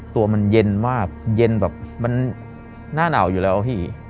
ตัวมันเย็นมากเย็นแบบมันหน้าหนาวอยู่แล้วพี่